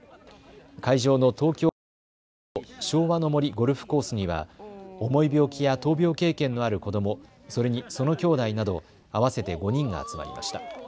会場の東京昭島市の昭和の森ゴルフコースには重い病気や闘病経験のある子ども、それにそのきょうだいなど合わせて５人が集まりました。